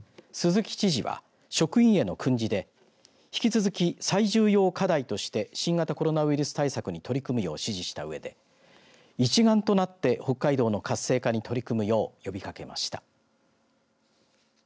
鈴木知事は、職員への訓示で引き続き最重要課題として新型コロナウイルス対策に取り組むよう指示したうえで一丸となって北海道の活性化に取り組むよう呼びかけました。